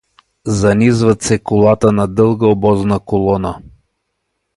Занизват се колата на дълга обозна колона.